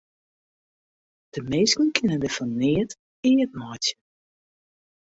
De minsken kinne dêr fan neat eat meitsje.